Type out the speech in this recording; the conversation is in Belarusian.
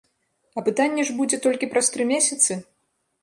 Апытанне ж будзе толькі праз тры месяцы?